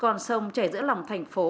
con sông chảy giữa lòng thành phố